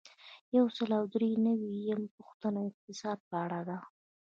یو سل او درې نوي یمه پوښتنه د اقتصاد په اړه ده.